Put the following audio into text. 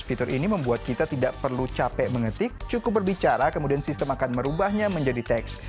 fitur ini membuat kita tidak perlu capek mengetik cukup berbicara kemudian sistem akan merubahnya menjadi teks